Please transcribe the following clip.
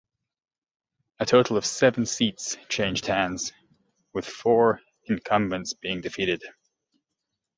A total of seven seats changed hands, with four incumbents being defeated.